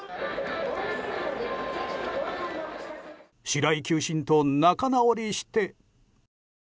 白井球審と仲直りして！